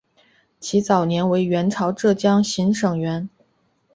其早年为元朝浙江行省掾。